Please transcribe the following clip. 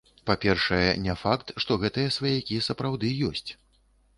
Па-першае, не факт, што гэтыя сваякі сапраўды ёсць.